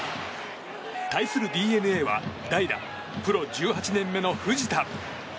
対するＤｅＮＡは代打、プロ１８年目の藤田。